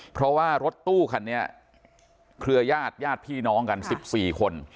เพราะว่ารถตู้คันนี้เครือญาติญาติพี่น้องกัน๑๔คน